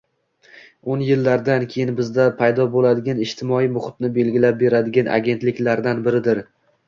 Oʻn yillardan keyin bizda paydo boʻladigan ijtimoiy muhitni belgilab beradigan agentliklardan biridir.